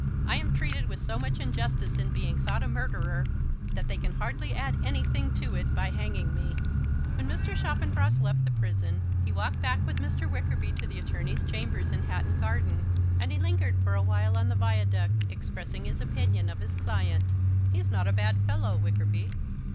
"I am treated with so much injustice in being thought a murderer that they can hardly add anything to it by hanging me." When Mr. Chaffanbrass left the prison he walked back with Mr. Wickerby to the attorney's chambers in Hatton Garden, and he lingered for awhile on the Viaduct expressing his opinion of his client. "He's not a bad fellow, Wickerby."